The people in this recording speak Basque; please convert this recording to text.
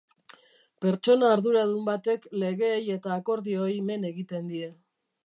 Pertsona arduradun batek legeei eta akordioei men egiten die.